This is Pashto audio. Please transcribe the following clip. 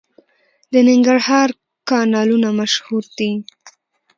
د ننګرهار کانالونه مشهور دي.